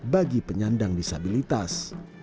bagi penyandang disabilitas